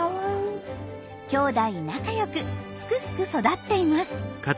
きょうだい仲良くすくすく育っています。